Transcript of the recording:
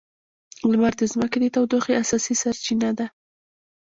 لمر د ځمکې د تودوخې اساسي سرچینه ده.